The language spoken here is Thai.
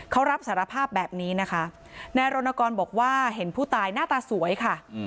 เขารับสารภาพแบบนี้นะคะนายรณกรบอกว่าเห็นผู้ตายหน้าตาสวยค่ะ